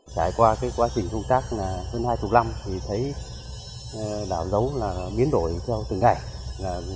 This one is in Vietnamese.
trải qua quá trình công tác hơn hai mươi năm thì thấy đảo giấu biến đổi trong từng ngày